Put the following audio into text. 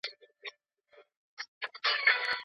مخینه موږ ته د تېر وخت حقایق ښیي.